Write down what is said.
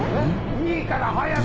いいから早く！